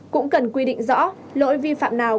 cũng cần quy định rõ lỗi vi phạm nào